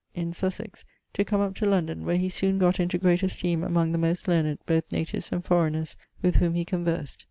in Sussex, to come up to London, where he soon got into great esteem among the most learned, both natives and forreigners, with whom he conversed.